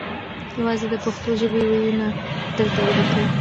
یوازې د پښتو ژبې وییونه دلته وليکئ